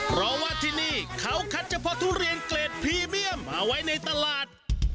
เพราะว่าที่นี่เขาคัดเฉพาะทุเรียนเกรดพรีเมียมมาไว้ในตลาด